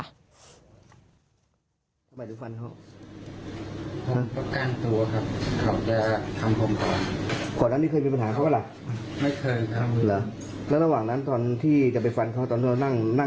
เหรอแล้วมีดในมีดใครที่เอามาละ